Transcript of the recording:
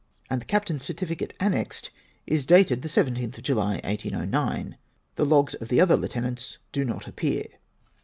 And the Captain's certificate annexed, is dated the 17th of July 1809! The logs of the other Lieutenants do not appear.